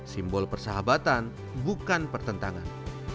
simbol persahabatan bukan pertentangan